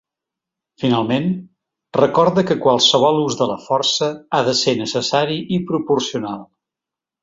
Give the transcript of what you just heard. Finalment, recorda que qualsevol ús de la força ha de ser necessari i proporcional.